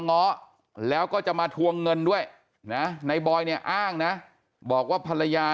ง้อแล้วก็จะมาทวงเงินด้วยนะในบอยเนี่ยอ้างนะบอกว่าภรรยา